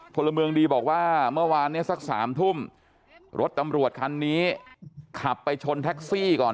พลเมืองดีบอกว่าเมื่อวานเนี้ยสักสามทุ่มรถตำรวจคันนี้ขับไปชนแท็กซี่ก่อน